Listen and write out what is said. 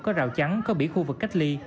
có rào trắng có bỉa khu vực cách ly